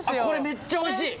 めっちゃおいしい！